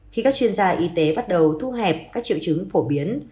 khi các chuyên gia y tế bắt đầu thu hẹp các triệu chứng phổ biến